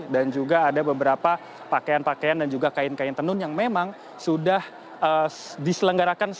dan juga ada beberapa pakaian pakaian dan juga kain kain tenun yang memang sudah diselenggarakan